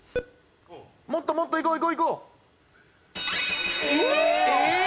もっともっといこういこういこう！ええーっ！？